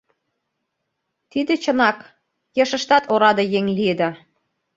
Тиде чынак: ешыштат ораде еҥ лиеда.